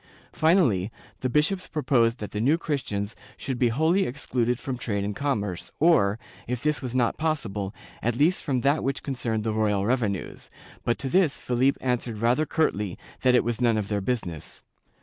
Finally, the bishops proposed that the New Christians should be wholly excluded from trade and commerce or, if this was not possible, at least from that which concerned the royal revenues, but to this Philip answered rather curtly that it was none of their business.